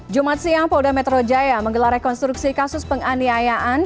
jumat siang polda metro jaya menggelar rekonstruksi kasus penganiayaan